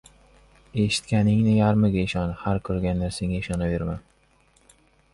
• Eshitganingning yarmiga ishon, har ko‘rgan narsangga ishonaverma.